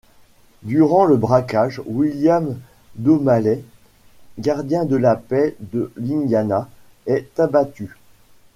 Durant le braquage, William O'Malley, gardien de la paix de l'Indiana, est abattu.